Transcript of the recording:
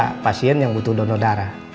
ada pasien yang butuh donor darah